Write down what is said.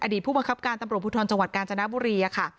อดีตผู้บังคับการตำรวจพุทธรจังหวัดกาญจนบุรี